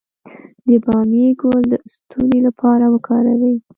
د بامیې ګل د ستوني لپاره وکاروئ